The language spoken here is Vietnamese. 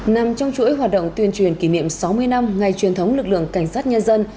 nằm trong chuỗi hoạt động tuyên truyền kỷ niệm sáu mươi năm ngày truyền thống lực lượng cảnh sát nhân dân